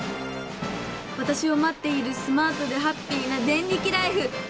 わたしをまっているスマートでハッピーなデンリキライフ！